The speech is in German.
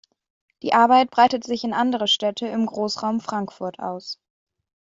Die Arbeit breitet sich in andere Städte im Großraum Frankfurt aus.